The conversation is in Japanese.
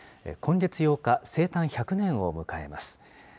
今月８日、生誕１００年を迎えます。